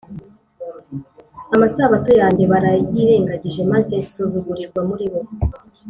amasabato yanjye barayirengagije maze nsuzugurirwa muri bo